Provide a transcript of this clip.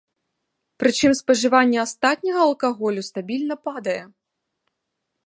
Прычым, спажыванне астатняга алкаголю стабільна падае.